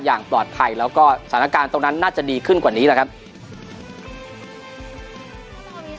อย่างปลอดภัยแล้วก็สถานการณ์ตรงนั้นน่าจะดีขึ้นกว่านี้แหละครับ